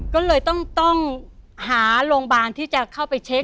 ก็เลยต้องหาโรงพยาบาลที่จะเข้าไปเช็ค